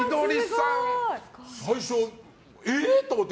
最初、え！って思って。